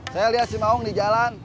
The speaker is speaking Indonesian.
saya lihat si maung di jalan